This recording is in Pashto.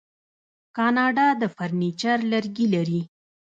کاناډا د فرنیچر لرګي لري.